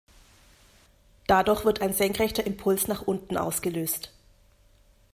Dadurch wird ein senkrechter Impuls nach unten ausgelöst.